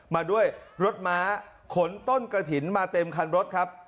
มาด้วยรถม้าขนต้นกระถิ่นมาเต็มคันรถครับ